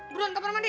beruan kamar mandi